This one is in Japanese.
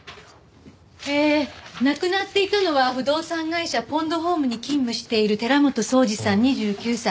ええ亡くなっていたのは不動産会社ポンドホームに勤務している寺本壮治さん２９歳。